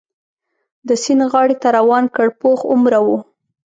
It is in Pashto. د سیند غاړې ته روان کړ، پوخ عمره و.